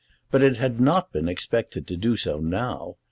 But it had not been expected to do so now.